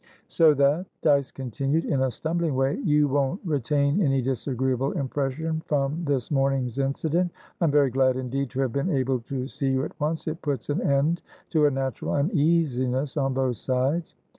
"So that," Dyce continued, in a stumbling way, "you won't retain any disagreeable impression from this morning's incident? I am very glad indeed to have been able to see you at once. It puts an end to a natural uneasiness on both sides."